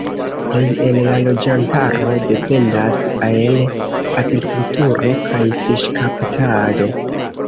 Plej el la loĝantaro dependas el agrikulturo kaj fiŝkaptado.